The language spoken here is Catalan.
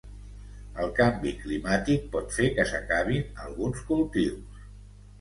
El canvi climàtic pot fer que s'acabin alguns cultius.